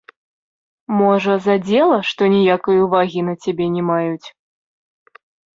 Можа, задзела, што ніякай увагі на цябе не маюць?